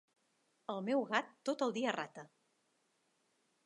El meu gat tot el dia rata.